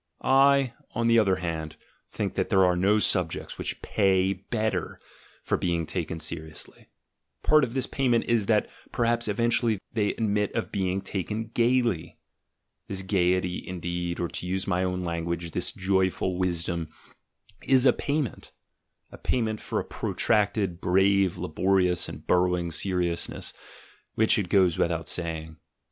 I, on the other hand, think that there are no subjects which pay better for being taken seriously; part of this payment is, that perhaps eventually they admit of being taken gaily. This gaiety, indeed, or, to use my own language, this joyful wisdom, is a payment; a payment for a protracted, brave, labor ious, and burrowing seriousness, which, it goes without ing.